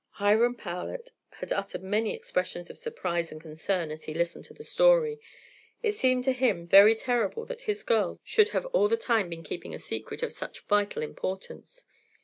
Hiram Powlett had uttered many expressions of surprise and concern as he listened to the story. It seemed to him very terrible that his girl should have all the time been keeping a secret of such vital importance.